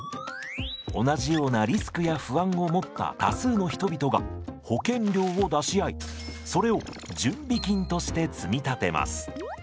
同じようなリスクや不安を持った多数の人々が保険料を出し合いそれを準備金として積み立てます。